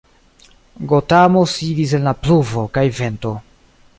Gotamo sidis en la pluvo kaj vento.